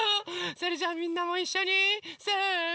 それじゃあみんなもいっしょにせの。